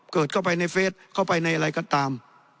เข้าไปในเฟสเข้าไปในอะไรก็ตาม